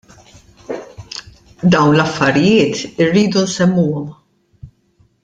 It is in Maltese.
Dawn l-affarijiet irridu nsemmuhom.